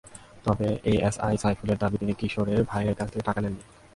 তবে এএসআই সাইফুলের দাবি, তিনি কিশোরের ভাইয়ের কাছ থেকে টাকা নেননি।